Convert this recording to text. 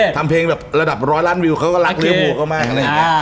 ทำเพลงระดับ๑๐๐ล้านวิวเขาก็รักเรียบรูปเข้ามา